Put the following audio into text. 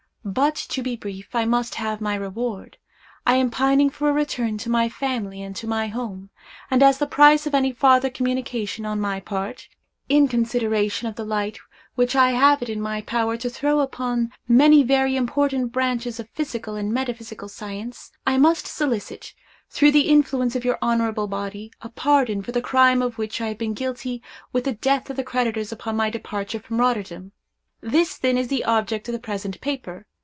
But, to be brief, I must have my reward. I am pining for a return to my family and to my home; and as the price of any farther communication on my part—in consideration of the light which I have it in my power to throw upon many very important branches of physical and metaphysical science—I must solicit, through the influence of your honorable body, a pardon for the crime of which I have been guilty in the death of the creditors upon my departure from Rotterdam. This, then, is the object of the present paper.